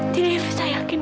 dia tak bisa yakin